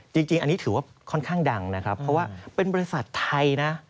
จริงอันนี้ถือว่าค่อนข้างดังนะครับเพราะว่าเป็นบริษัทไทยนะ